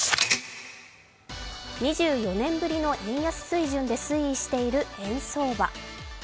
２４年ぶりの円安水準で推移している円相場。